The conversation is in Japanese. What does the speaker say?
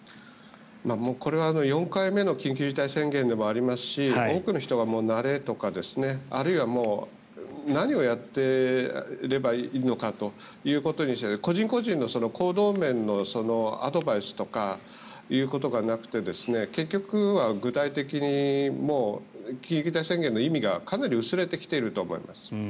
これは４回目の緊急事態宣言でもありますし多くの人が慣れとかあるいは何をやっていればいいのかということで個人個人の行動面のアドバイスとかそういうことがなくて結局、具体的に緊急事態宣言の意味がかなり薄れてきていると思います。